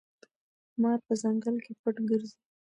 مار په ځنګل کې پټ ګرځي.